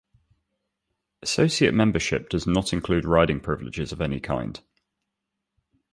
Associate membership does not include riding privileges of any kind.